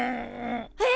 えっ！？